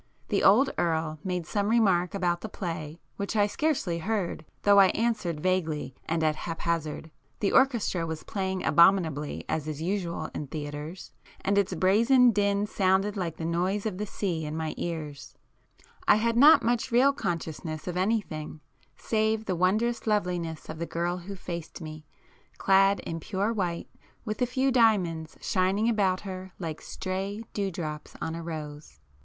The old Earl made some remark about the play, which I scarcely heard though I answered vaguely and at hap hazard,—the orchestra was playing abominably as is usual in theatres, and its brazen din sounded like the noise of the sea in my ears,—I had not much real consciousness of anything save the wondrous loveliness of the girl who faced me, clad in pure white, with a few diamonds shining about her like stray dewdrops on a rose.